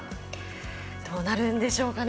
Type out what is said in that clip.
どうなるんでしょうかね。